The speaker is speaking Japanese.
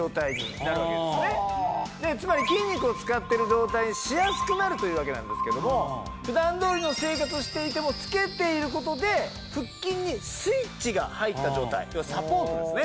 つまり筋肉を使ってる状態にしやすくなるというわけなんですけども普段通りの生活をしていても着けていることで腹筋にスイッチが入った状態要はサポートですね。